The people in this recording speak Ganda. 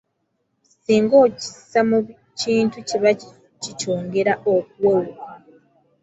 Singa okissa mu kintu kiba kikyongera okuwewuka.